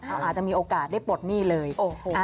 อาจจะมีโอกาสได้ปลดหนี้เลยโอ้โฮ